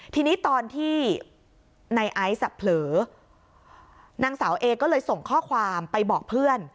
ทีนี้ตอนที่ในไอซ์เผลอนางสาวเอก็เลยส่งข้อความไปบอกเพื่อน